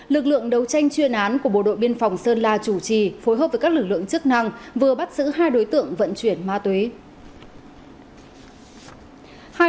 lực lượng đấu tranh chuyên án của bộ đội biên phòng sơn la chủ trì phối hợp với các lực lượng chức năng vừa bắt giữ hai đối tượng vận chuyển ma túy